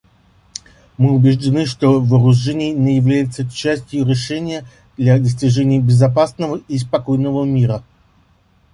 Мы убеждены, что вооружения не являются частью решения для достижения безопасного и спокойного мира.